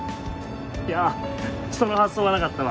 いやあその発想はなかったわ。